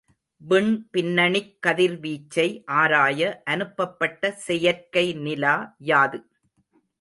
விண் பின்னணிக் கதிர்வீச்சை ஆராய அனுப்பப்பட்ட செயற்கைநிலா யாது?